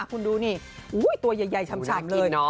คุณดูนี่ตัวใหญ่ฉ่ำเลย